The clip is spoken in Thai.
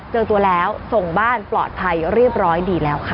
เจอตัวแล้วส่งบ้านปลอดภัยเรียบร้อยดีแล้วค่ะ